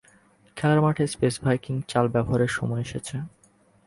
খেলার মাঠে space Viking চাল ব্যবহারের সময় এসেছে।